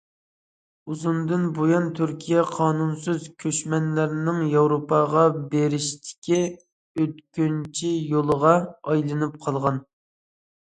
ئۇزۇندىن بۇيان، تۈركىيە قانۇنسىز كۆچمەنلەرنىڭ ياۋروپاغا بېرىشتىكى ئۆتكۈنچى يولىغا ئايلىنىپ قالغان.